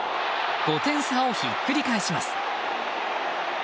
５点差をひっくり返します。